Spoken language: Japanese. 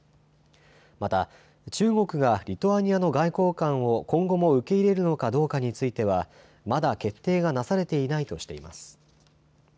また中国がリトアニアの外交官を今後も受け入れるのかどうかについては、まだ決定がなされていないとしています。